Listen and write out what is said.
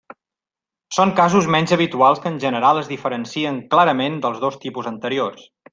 Són casos menys habituals que en general es diferencien clarament dels dos tipus anteriors.